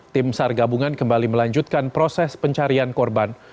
tim sargabungan kembali melanjutkan proses pencarian korban